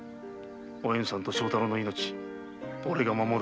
おえんさんと庄太郎の命はおれが守る。